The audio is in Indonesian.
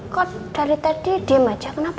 kan dari tadi dia maja kenapa